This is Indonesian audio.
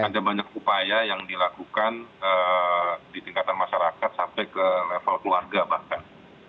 ada banyak upaya yang dilakukan di tingkatan masyarakat sampai ke level keluarga bahkan